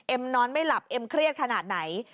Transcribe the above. นอนไม่หลับเอ็มเครียดขนาดไหน